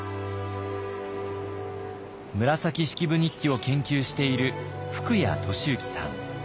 「紫式部日記」を研究している福家俊幸さん。